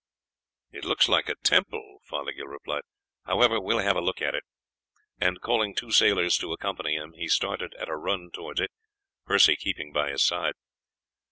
"It looks like a temple," Fothergill replied. "However, we will have a look at it." And calling two sailors to accompany him, he started at a run towards it, Percy keeping by his side.